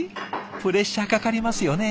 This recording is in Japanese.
プレッシャーかかりますよね